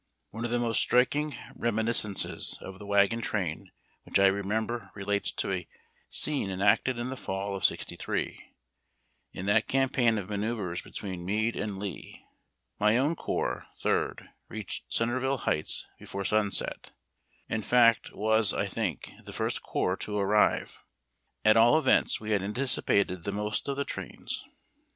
One of the most striking reminiscences of the wagon train which I remember relates to a scene enacted in the fall of '63 in that campaign of manrouvres between Meade and Lee My own corps (Tliird) reached CentreviUe Heights before sunset in fact, was, I think, the first corps to arrive. At all events, we had anticipated the most of the trains.